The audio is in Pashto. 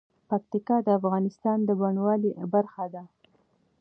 پکتیکا د افغانستان د بڼوالۍ برخه ده.